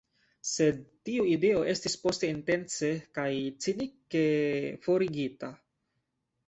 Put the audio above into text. Sed tiu ideo estis poste intence kaj cinike forigita.